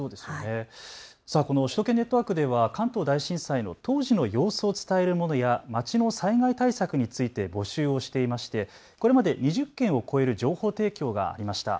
この首都圏ネットワークでは関東大震災の当時の様子を伝えるものやまちの災害対策について募集をしていましてこれまで２０件を超える情報提供がありました。